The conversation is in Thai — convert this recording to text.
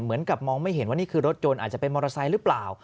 เหมือนกับมองไม่เห็นว่านี่คือรถยนต์อาจจะเป็นมอเตอร์ไซค์หรือเปล่า